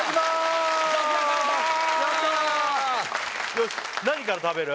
よし何から食べる？